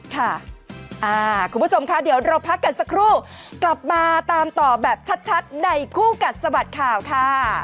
คุณผู้ชมคะเดี๋ยวเราพักกันสักครู่กลับมาตามต่อแบบชัดในคู่กัดสะบัดข่าวค่ะ